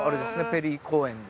ペリー公園で。